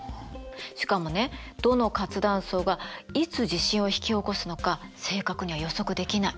しかもねどの活断層がいつ地震を引き起こすのか正確には予測できない。